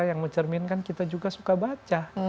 yang mencerminkan kita juga suka baca